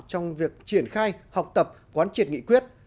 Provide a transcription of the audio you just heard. trong việc triển khai học tập quán triệt nghị quyết